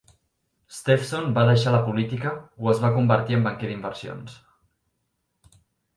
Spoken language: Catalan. Stevenson va deixar la política o es va convertir en banquer d"inversions.